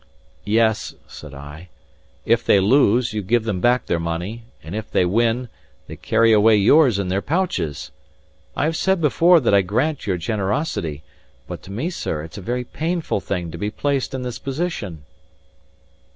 "Yes," said I, "if they lose, you give them back their money; and if they win, they carry away yours in their pouches! I have said before that I grant your generosity; but to me, sir, it's a very painful thing to be placed in this position."